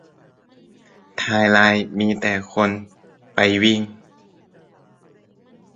ไทม์ไลน์มีแต่คนไปวิ่ง